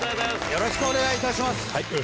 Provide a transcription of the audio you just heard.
よろしくお願いします。